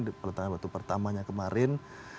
di perletaran batu pertamanya kemarin